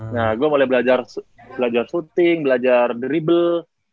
nah gue mulai belajar shooting belajar dribble